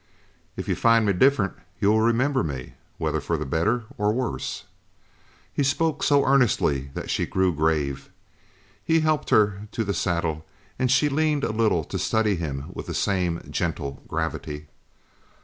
"If you find me different, you will remember me, whether for better or worse." He spoke so earnestly that she grew grave. He helped her to the saddle and she leaned a little to study him with the same gentle gravity.